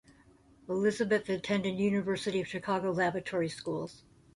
Elizabeth attended University of Chicago Laboratory Schools.